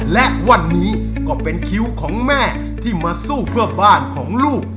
และวันนี้ก็เป็นคิวของแม่ที่มาสู้เพื่อบ้านของลูก